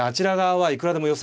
はい。